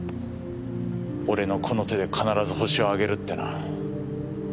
俺のこの手で必ずホシを挙げるってな。